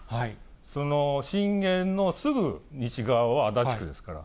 その震源のすぐ西側は足立区ですから。